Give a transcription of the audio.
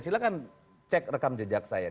silahkan cek rekam jejak saya